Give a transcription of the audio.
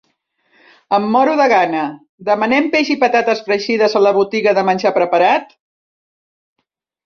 Em moro de gana. Demanem peix i patates fregides a la botiga de menjar preparat?